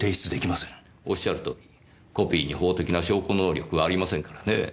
おっしゃるとおりコピーに法的な証拠能力はありませんからねぇ。